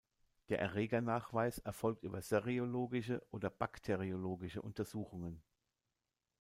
Der Erregernachweis erfolgt über serologische oder bakteriologische Untersuchungen.